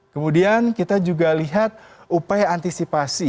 kemudian kita juga lihat upaya antisipasi